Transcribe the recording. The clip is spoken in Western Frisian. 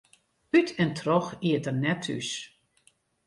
Ut en troch iet er net thús.